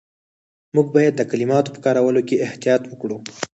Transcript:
موږ باید د کلماتو په کارولو کې احتیاط وکړو.